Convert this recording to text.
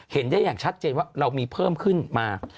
เห็นได้อย่างชัดเจนว่าเรามีเพิ่มขึ้นมา